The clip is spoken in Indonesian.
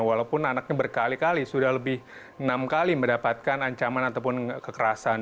walaupun anaknya berkali kali sudah lebih enam kali mendapatkan ancaman ataupun kekerasan